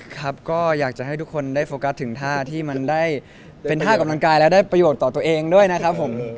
ครับก็อยากจะให้ทุกคนได้โฟกัสถึงท่าที่มันได้เป็นท่ากำลังกายและได้ประโยชน์ต่อตัวเองด้วยนะครับผม